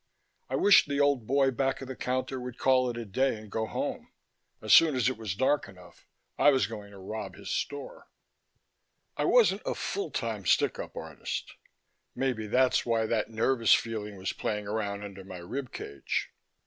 I wished the old boy back of the counter would call it a day and go home. As soon as it was dark enough, I was going to rob his store. I wasn't a full time stick up artist. Maybe that's why that nervous feeling was playing around under my rib cage.